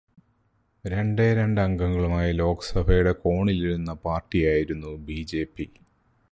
രണ്ടേ രണ്ട് അംഗങ്ങളുമായി ലോക്സഭയുടെ കോണിലിരുന്ന പാര്ടിയായിരുന്നു ബിജെപി.